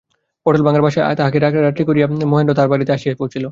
পটলডাঙার বাসায় তাহাকে রাখিয়া রাত্রে মহেন্দ্র তাহার বাড়িতে আসিয়া পৌঁছিল।